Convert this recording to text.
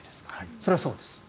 それはそうです。